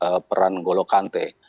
menggantikan peran n'olo kante